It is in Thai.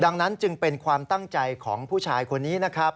ดังนั้นจึงเป็นความตั้งใจของผู้ชายคนนี้นะครับ